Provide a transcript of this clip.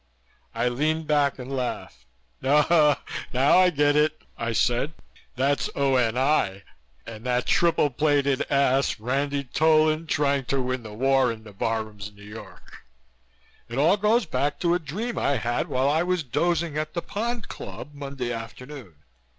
I leaned back and laughed. "Now I get it," I said. "That's O.N.I, and that triple plated ass, Ranty Tolan, trying to win the war in the barrooms of New York. It all goes back to a dream I had while I was dozing at the Pond Club Monday afternoon.